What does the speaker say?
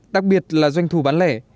đặc biệt là doanh thù bán lẻ